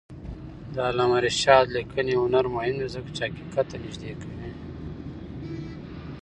د علامه رشاد لیکنی هنر مهم دی ځکه چې حقیقت ته نږدې کوي.